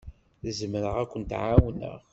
Zemreɣ ad kent-ɛawneɣ.